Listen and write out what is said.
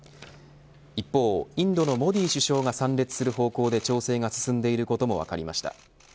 一方、インドのモディ首相が参列する方向で調整が進んでいることも分かりました。